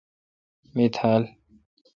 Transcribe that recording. می تھال